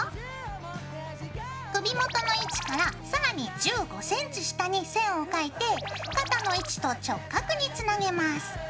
首元の位置から更に１５ｃｍ下に線を描いて肩の位置と直角につなげます。